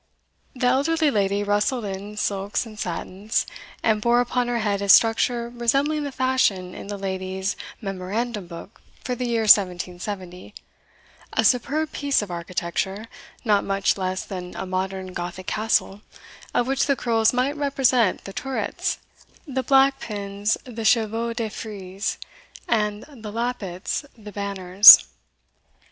The elderly lady rustled in silks and satins, and bore upon her head a structure resembling the fashion in the ladies' memorandum book for the year 1770 a superb piece of architecture, not much less than a modern Gothic castle, of which the curls might represent the turrets, the black pins the chevaux de frise, and the lappets the banners.